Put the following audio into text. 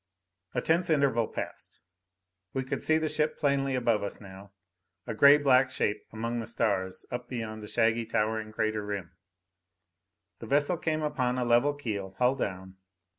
A tense interval passed. We could see the ship plainly above us now, a gray black shape among the stars up beyond the shaggy, towering crater rim. The vessel came upon a level keel, hull down.